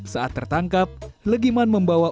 saat tertangkap legiman membawa